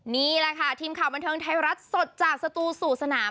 นี่แหละค่ะทีมข่าวบันเทิงไทยรัฐสดจากสตูสู่สนาม